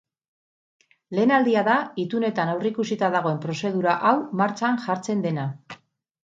Lehen aldia da itunetan aurreikusita dagoen prozedura hau martxan jartzen dena.